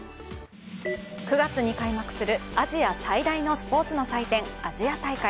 ９月に開幕するアジア最大のスポーツの祭典、アジア大会。